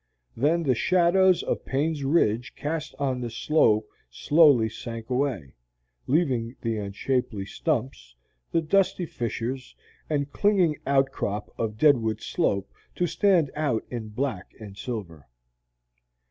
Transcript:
Then the shadows of Payne's Ridge cast on the slope slowly sank away, leaving the unshapely stumps, the dusty fissures, and clinging outcrop of Deadwood Slope to stand out in black and silver.